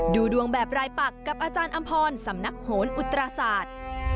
ดูดวงแบบรายปักกับอาจารย์อำพรสำนักโหนอุตราศาสตร์